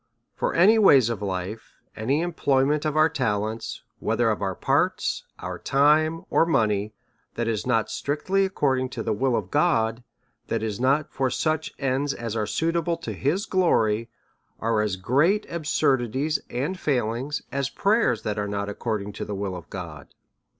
^ For any ways of life, any employment of our talents, whether of our parts, our time, or money, that is not strictly ac cording* to the will of God, that is not for such ends as are suitable to his glory, are as great absurdities and failing's as prayers that are not according to the will of God.